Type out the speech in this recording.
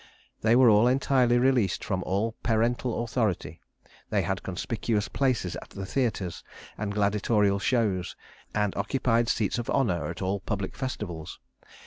They were entirely released from all parental authority; they had conspicuous places at the theaters and gladiatorial shows, and occupied seats of honor at all public festivals.